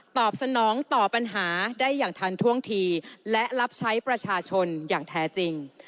ตอบสนองต่อปัญหาได้อย่างทันท่วงทีและรับใช้ประชาชนอย่างแท้จริง